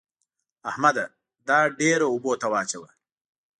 احمده! دا ډبره اوبو ته واچوه.